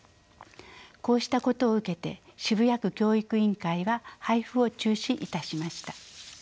こうしたことを受けて渋谷区教育委員会は配布を中止いたしました。